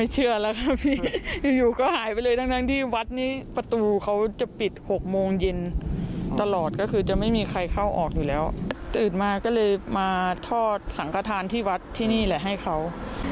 เชื่ออยู่นะครับพี่เชื่อเลยแหละ